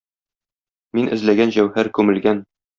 Мин эзләгән җәүһәр күмелгән.